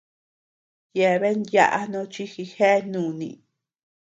Yeabean yáʼa nochi jijéa nùni.